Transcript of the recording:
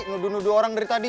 nudu nudu orang dari tadi